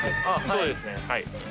そうですねはい。